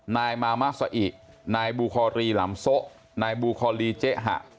นายมามะซาอินายบูคอรีหลำโซะนายบูคอลีเจ๊หะ